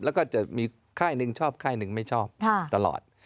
แล้วก็จะมีค่ายหนึ่งชอบค่ายหนึ่งไม่ชอบตลอด